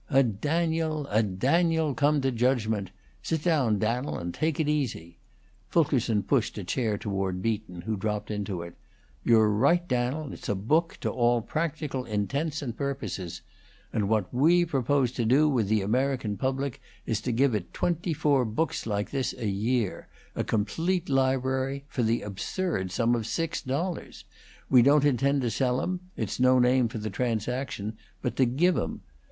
"A Daniel a Daniel come to judgment! Sit down, Dan'el, and take it easy." Fulkerson pushed a chair toward Beaton, who dropped into it. "You're right, Dan'el; it's a book, to all practical intents and purposes. And what we propose to do with the American public is to give it twenty four books like this a year a complete library for the absurd sum of six dollars. We don't intend to sell 'em it's no name for the transaction but to give 'em.